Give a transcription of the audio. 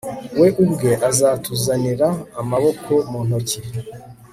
We ubwe azatuzanira amaboko mu ntoki